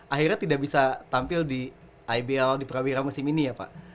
akhirnya tidak bisa tampil di ibl di prawira musim ini ya pak